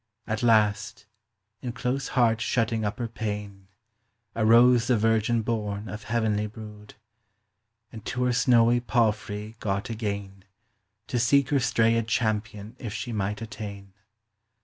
At last, in close hart shutting up her payne, Arose tin; virgin borne of heavenly brood, And to her snowy palfrey got agayne, To seek her strayed champion if she might attayne.